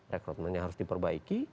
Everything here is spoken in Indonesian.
rekrutmennya harus diperbaiki